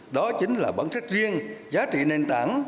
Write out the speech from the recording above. đó chính là bản sắc riêng giá trị nền tảng